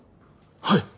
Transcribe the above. はい！